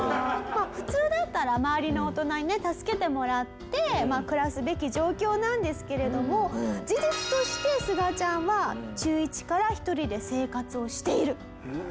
普通だったら周りの大人にね助けてもらって暮らすべき状況なんですけれども事実としてすがちゃんは中１から一人で生活をしている。